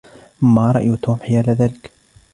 ما رأي توم حيال هذا؟